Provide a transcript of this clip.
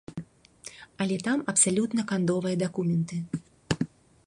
Але там абсалютна кандовыя дакументы.